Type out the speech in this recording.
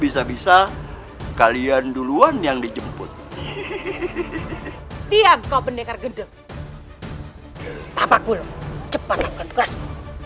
bisa bisa kalian duluan yang dijemput hihihi diam kau pendekar gedeg papahku cepatkan tugasmu